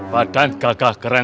badan gagah keren